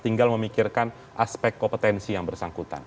tinggal memikirkan aspek kompetensi yang bersangkutan